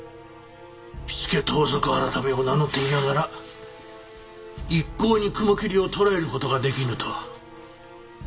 火付盗賊改を名乗っていながら一向に雲霧を捕らえる事ができぬとは。